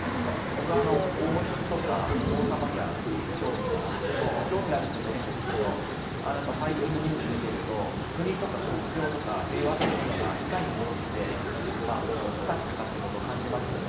僕は王室とか王様にはすごく興味があって、興味があるというと変ですけど最近のニュースを見ていると、国とか国境とか平和というものがいかにもろくて、不確かかということを感じます。